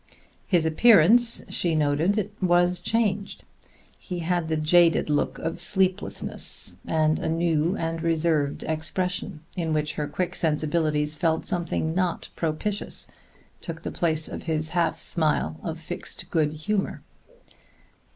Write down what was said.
His appearance, she noted, was changed. He had the jaded look of the sleepless, and a new and reserved expression, in which her quick sensibilities felt something not propitious, took the place of his half smile of fixed good humor.